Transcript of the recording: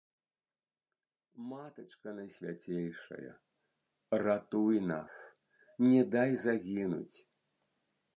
Матачка найсвяцейшая, ратуй нас, не дай загінуць.